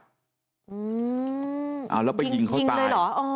อืนแล้วไปยิงเข้าตายยิงเลยหรอ